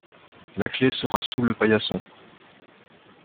La clé sera sous le paillasson.